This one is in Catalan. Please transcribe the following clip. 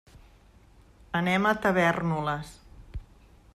Anem a Tavèrnoles.